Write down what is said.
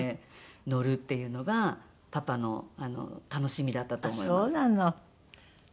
乗るっていうのがパパの楽しみだったと思います。